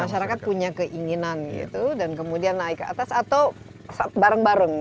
masyarakat punya keinginan gitu dan kemudian naik ke atas atau bareng bareng